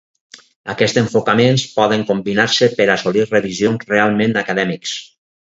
Aquests enfocaments poden combinar-se per assolir revisions realment acadèmics.